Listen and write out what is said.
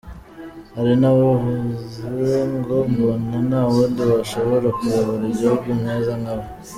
Hari n’abavuzre ngo: “Mbona nta wundi washobora kuyobora igihugu neza nka we.